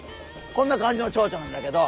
こんな感じのチョウチョなんだけど。